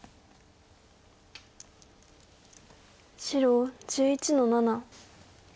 白１１の七。